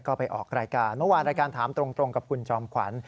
ก็ไปออกรายการเมื่อวานรายการถามตรงกับคุณจอมขวัญ